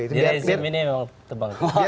ya izin ini memang tebang pilih